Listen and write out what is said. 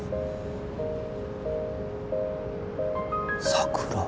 桜。